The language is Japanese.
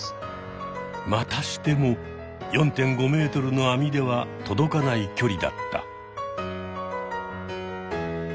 またしても４．５ｍの網では届かない距離だった。